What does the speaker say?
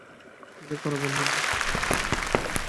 সব চেয়ে কড়া বন্ধন।